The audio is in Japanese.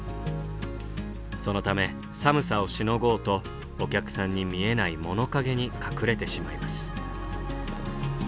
そのため寒さをしのごうとお客さんに見えない物陰に隠れてしまいます。